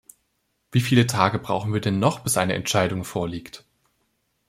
Wie viele Tage brauchen wir denn noch, bis eine Entscheidung vorliegt?